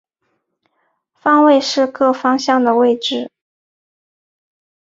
方位是各方向的位置。